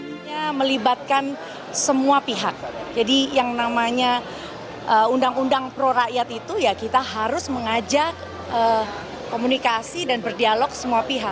sebenarnya melibatkan semua pihak jadi yang namanya undang undang pro rakyat itu ya kita harus mengajak komunikasi dan berdialog semua pihak